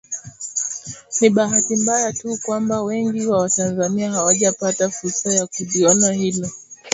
Ni bahati mbaya tu kwamba wengi wa Watanzania hawajapata fursa ya kuliona hilo